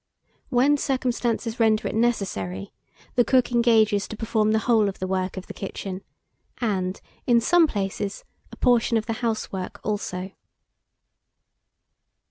When circumstances render it necessary, the cook engages to perform the whole of the work of the kitchen, and, in some places, a portion of the house work also.